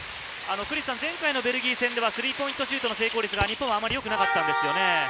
前回のベルギー戦ではスリーポイントシュートの成功率は日本もあまりよくなかったんですよね。